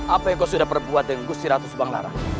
apa yang kau sudah perbuat dengan gusir ratu subanglarak